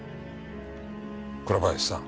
倉林さん